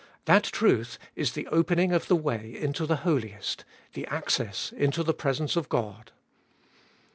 That truth is the opening of the way into the Holiest, the access into the presence of God.